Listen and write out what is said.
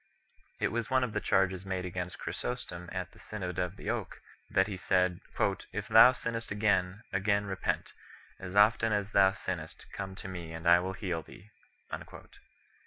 It was one of the charges made against Chrysostom at the Synod of the Oak 1 , that he had said, "if thou sinnest again, again repent ; as often as thou sinnest, come to me and I will heal thee."